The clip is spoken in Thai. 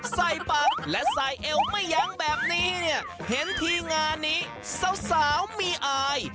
ใส่ปากและใส่เอวไม่ยั้งแบบนี้เนี่ยเห็นทีมงานนี้สาวมีอาย